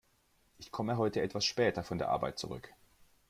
Ich komme heute etwas später von der Arbeit zurück.